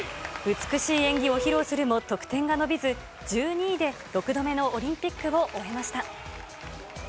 美しい演技を披露するも得点が伸びず、１２位で６度目のオリンピックを終えました。